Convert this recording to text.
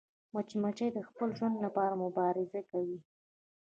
مچمچۍ د خپل ژوند لپاره مبارزه کوي